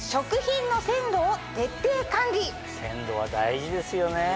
鮮度は大事ですよね！